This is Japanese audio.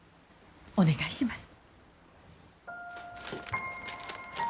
お願いします。